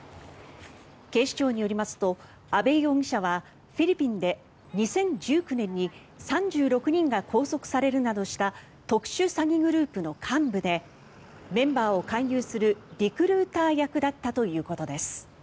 警視庁によりますと阿部容疑者はフィリピンで２０１９年に３６人が拘束されるなどした特殊詐欺グループの幹部でメンバーを勧誘するリクルーター役だったということです。